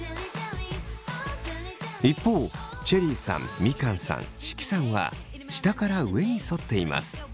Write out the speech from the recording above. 一方チェリーさんみかんさん識さんは下から上にそっています。